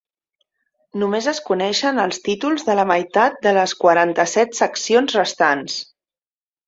Només es coneixen els títols de la meitat de les quaranta-set seccions restants.